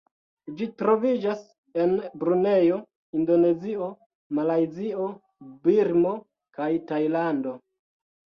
Ĝi troviĝas en Brunejo, Indonezio, Malajzio, Birmo kaj Tajlando.